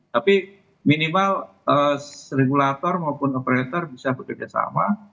tapi minimal regulator maupun operator bisa bekerja sama